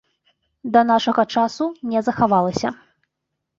Да нашага часу не захавалася.